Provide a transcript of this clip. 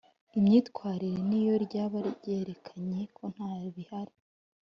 imyitwarire n iyo ryaba ryerekanye ko ntabihari